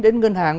đến ngân hàng